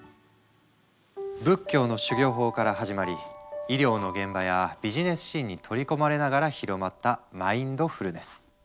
仏教の修行法から始まり医療の現場やビジネスシーンに取り込まれながら広まったマインドフルネス。